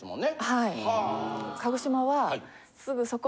はい。